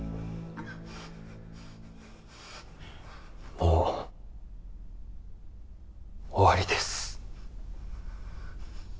もう終わりです。